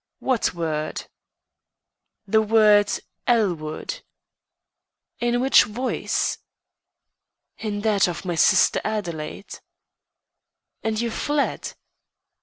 "What word?" "The word, 'Elwood.'" "In which voice?" "In that of my sister Adelaide." "And you fled?"